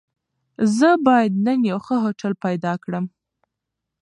زه بايد نن يو ښه هوټل پيدا کړم.